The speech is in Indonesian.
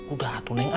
udah ah tu neng